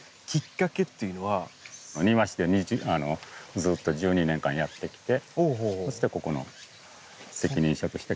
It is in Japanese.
庭師でずっと１２年間やってきてそしてここの責任者として。